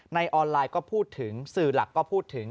ในออนไลน์ก็พูดถึงสื่อหลักก็พูดถึง